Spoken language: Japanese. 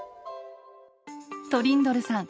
トリンドルさん